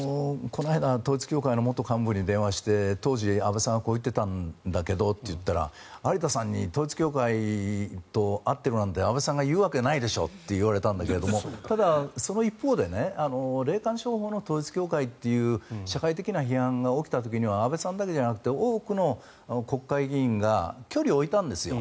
この間統一教会の元幹部に電話して当時、安倍さんがこう言っていたんだけどと言ったら有田さんに統一教会と会っているなんて安倍さんが言うわけないでしょって言われたんだけどただ、その一方で霊感商法の統一教会という社会的な批判が起きた時には安倍さんだけじゃなくて多くの国会議員が距離を置いたんですよ。